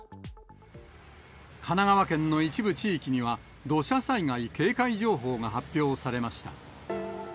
神奈川県の一部地域には、土砂災害警戒情報が発表されました。